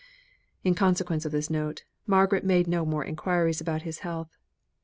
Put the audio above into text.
In consequence of this note, Margaret made no more enquiries about his health.